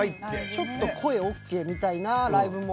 ちょっと声ＯＫみたいなライブも増えてあれ？